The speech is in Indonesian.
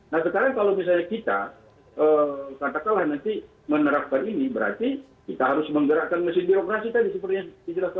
nah sekarang kalau misalnya kita katakanlah nanti menerapkan ini berarti kita harus menggerakkan mesin birokrasi tadi seperti yang dijelaskan